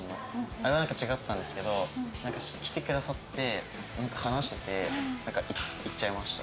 あれはなんか違ったんですけど来てくださってなんか話してていっちゃいました